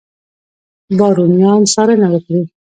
بارونیان څارنه وکړي.